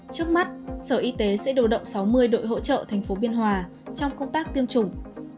trước mắt sở y tế sẽ điều động sáu mươi đội hỗ trợ thành phố biên hòa trong công tác tiêm chủng